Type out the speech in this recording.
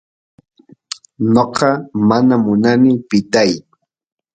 noqa mana munani pitay